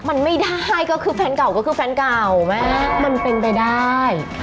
มันไม่ได้ก็คือแฟนเก่าก็คือแฟนเก่าแม่มันเป็นไปได้